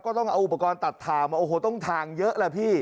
ต้องเอาอุปกรณ์ตัดทางมาโอ้โหต้องทางเยอะแหละพี่